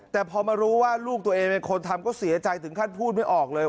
แต่พอมารู้ว่าลูกตัวเองเป็นคนทำก็เสียใจถึงขั้นพูดไม่ออกเลย